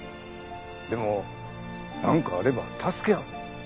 でもなんかあれば助け合う。